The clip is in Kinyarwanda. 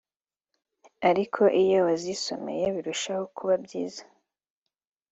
ariko iyo wazisomeye birushaho kuba byiza